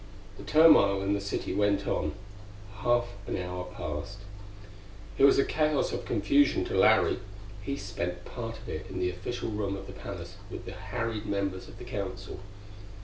The turmoil in the city went on. Half an hour passed. It was a chaos of confusion to Larry. He spent part of it in the official room of the palace with the harried members of the Council.